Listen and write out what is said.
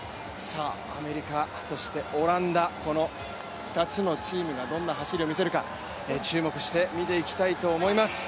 アメリカ、そしてオランダ、この２つのチームがどんな走りを見せるか注目して見ていきたいと思います。